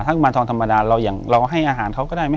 กุมารพายคือเหมือนกับว่าเขาจะมีอิทธิฤทธิ์ที่เยอะกว่ากุมารทองธรรมดา